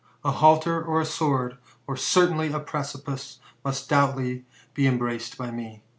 A halter, or a sword, or certainly a precipice, must doubtless be embraced by me."